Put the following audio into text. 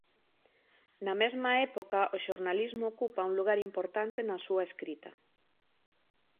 Na mesma época o xornalismo ocupa un lugar importante na súa escrita.